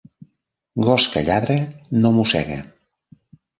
Gos que lladra no mossega.